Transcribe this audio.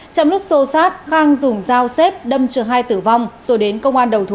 trong lúc xô sát khang dùng dao xếp đâm trường hai tử vong rồi đến công an đầu thú